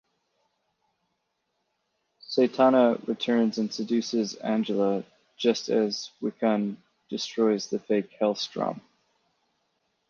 Satana returns and seduces Angela just as Wiccan destroys the fake Hellstrom.